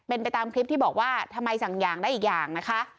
เป็นไปตามคลิปที่บอกว่าทำไมสั่งอย่างได้อีกอย่างนะคะ